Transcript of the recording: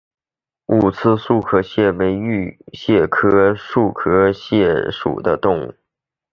五刺栗壳蟹为玉蟹科栗壳蟹属的动物。